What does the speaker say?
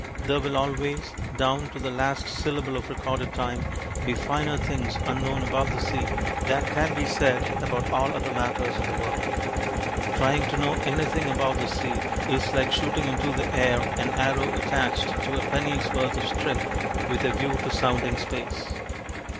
There will always, down to the last syllable of recorded time, be finer things unknown about the sea than can be said about all other matters in the world. Trying to know anything about the sea is like shooting into the air an arrow attached to a pennyworth of string with a view to sounding space.